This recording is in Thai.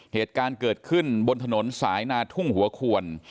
เหตุการณ์เกิดขึ้นบนถนนสายนาทุ่งหัวขวน